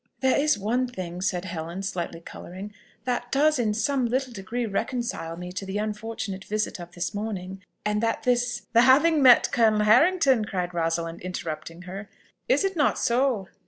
"There is one thing," said Helen, slightly colouring, "that does in some little degree reconcile me to the unfortunate visit of this morning and that this...." "The having met Colonel Harrington!" cried Rosalind, interrupting her. "Is it not so?"